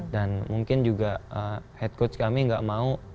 dan mungkin juga head coach kami nggak mau